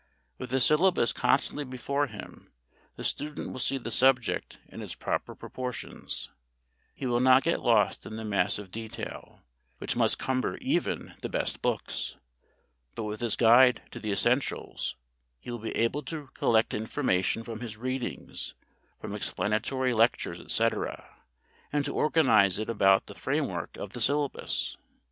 With the syllabus constantly before him the student will see the subject in its proper proportions; he will not get lost in the mass of detail which must cumber even the best books, but with this guide to the essentials he will be able to collect information from his readings, from explanatory lectures, etc., and to organize it about the framework of the syllabus.